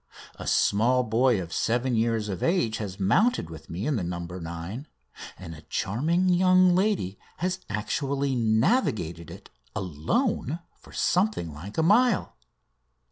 A small boy of seven years of age has mounted with me in the "No. 9," and a charming young lady has actually navigated it alone for something like a mile.